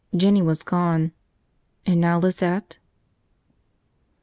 Jinny was gone. And now Lizette?